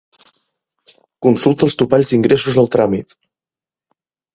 Consulta els topalls d'ingressos al tràmit.